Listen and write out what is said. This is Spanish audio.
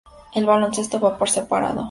El baloncesto va por separado.